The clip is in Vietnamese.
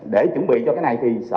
để chuẩn bị cho cái này thì sở